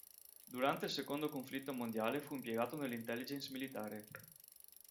Durante il secondo conflitto mondiale fu impiegato nell'intelligence militare.